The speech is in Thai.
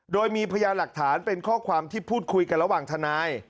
โดยมีพยานหลักฐานเป็นข้อความที่พูดคุยกันระหว่างทนาย